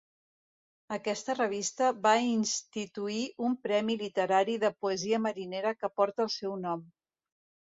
Aquesta revista va instituir un premi literari de poesia marinera que porta el seu nom.